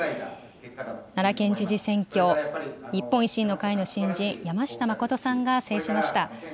奈良県知事選挙、日本維新の会の新人、山下真さんが制しました。